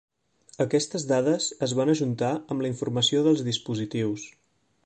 Aquestes dades es van ajuntar amb la informació dels dispositius.